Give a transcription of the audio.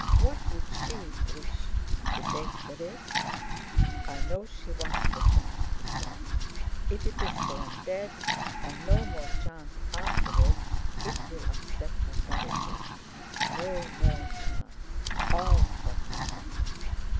What would she wish—to take the risk. "I know she wants the child," he thought. "If it's born dead, and no more chance afterwards—it'll upset her terribly. No more chance! All for nothing!